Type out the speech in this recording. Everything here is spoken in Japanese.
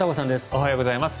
おはようございます。